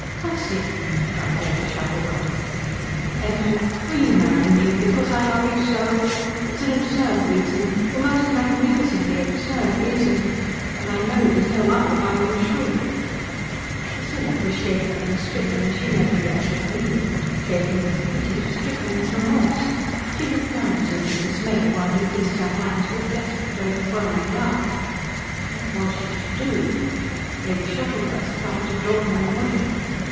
"Tussie!" cried Lady Shuttleworth. "Ethel, will you marry me? Because I love you so? It's an absurd reason the most magnificently absurd reason, but I know there's no other why you should " Priscilla was shaken and stricken as she had never yet been; shaken with pity, stricken with remorse. She looked down at him in dismay while he kissed her hands with desperate, overwhelming love. What was she to do? Lady Shuttleworth tried to draw her away.